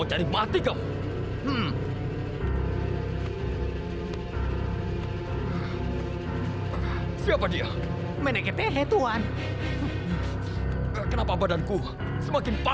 sampai jumpa di video selanjutnya